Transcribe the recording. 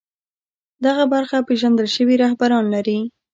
دغه برخه پېژندل شوي رهبران لري